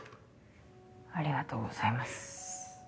ありがとうございます。